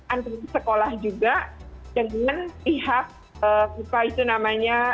antara sekolah juga dengan pihak apa itu namanya